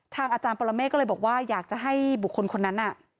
อาจารย์ปรเมฆก็เลยบอกว่าอยากจะให้บุคคลคนนั้นน่ะ